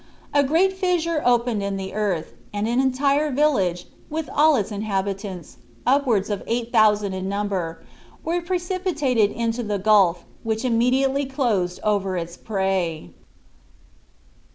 A great fissure opened in the earth, and an entire village, with all its inhabitants, upwards of 8,000 in number, were precipitated into the gulf, which immediately closed over its prey.